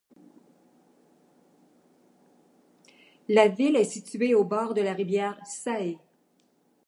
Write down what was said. La ville est située au bord de la rivière Sai.